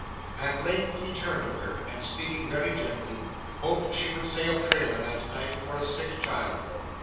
At length he turned to her, and speaking very gently, hoped she would say a prayer that night for a sick child.